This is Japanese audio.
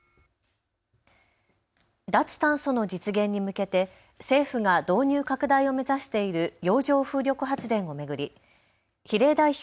脱炭素の実現に向けて政府が導入拡大を目指している洋上風力発電を巡り比例代表